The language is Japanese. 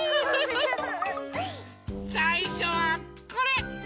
さいしょはこれ！